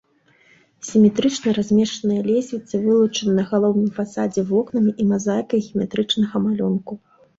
Сіметрычна размешчаныя лесвіцы вылучаны на галоўным фасадзе вокнамі і мазаікай геаметрычнага малюнку.